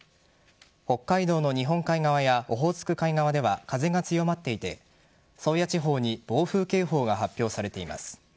北海道の日本海側やオホーツク海側では風が強まっていて宗谷地方に暴風警報が発表されています。